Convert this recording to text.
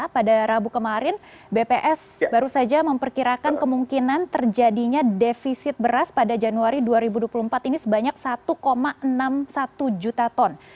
pada rabu kemarin bps baru saja memperkirakan kemungkinan terjadinya defisit beras pada januari dua ribu dua puluh empat ini sebanyak satu enam puluh satu juta ton